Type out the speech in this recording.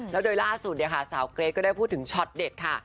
แล้วโดยล่าสุดเนี่ยค่ะสาวเกรทก็ได้พูดถึงช็อตเด็ดค่ะ